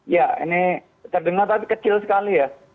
ya ini terdengar tapi kecil sekali ya